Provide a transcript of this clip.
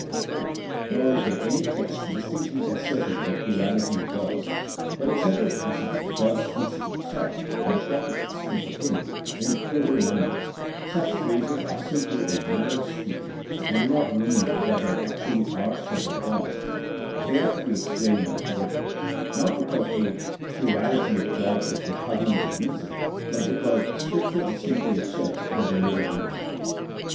4), nor is there any text distinctly asserting a plurality of gods ; but in several passages G od speaks of Himself, and the prophets speak of Him, in the plural number; such phrases are simply a manner of speaking, and do not mean that there actually are several gods: they are to be explained metaphorically, not because a plurality of gods is repugnant to reason, but because Scripture distinctly asserts that there is only one.